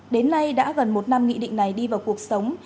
đến nay đã gần một năm nghị định này đi vào cuộc sống